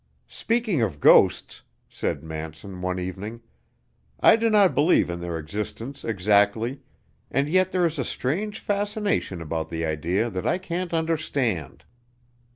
"Speaking of ghosts," said Manson, one evening, "I do not believe in their existence exactly, and yet there is a strange fascination about the idea that I can't understand.